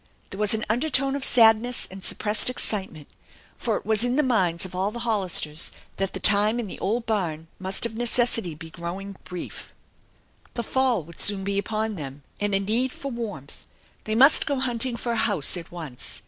There was an undertone of sadness and suppressed excitement, for it was in the minds of all the Hollisters that the time in the old barn must of necessity be growing brief. THE ENCHANTED BARN 309 The fall would soon be upon them, and a need for warmth. They must go hunting for a house at once.